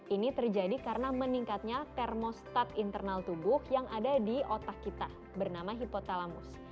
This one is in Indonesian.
ini terjadi karena meningkatnya termostad internal tubuh yang ada di otak kita bernama hipotalamus